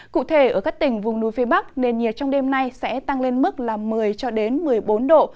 cụ thể ở các tỉnh vùng núi phía bắc nền nhiệt trong đêm nay sẽ tăng lên mức một mươi cho đến một mươi bốn độ